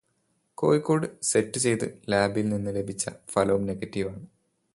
Kozhikode set ചെയ്ത് ലാബില് നിന്ന് ലഭിച്ച ഫലവും നെഗറ്റീവ് ആണ്.